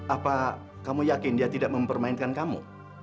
apa kamu yakin dia tidak mempermainkan kamu